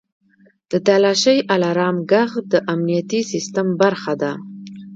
• د تالاشۍ الارم ږغ د امنیتي سیستم برخه ده.